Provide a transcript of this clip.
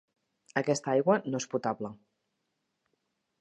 Aquesta aigua no és potable.